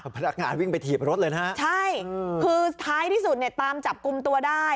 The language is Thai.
พนักงานวิ่งไปถีบรถเลยนะฮะใช่คือท้ายที่สุดเนี่ยตามจับกลุ่มตัวได้